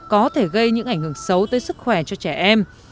có thể gây những ảnh hưởng xấu tới sức khỏe cho trẻ em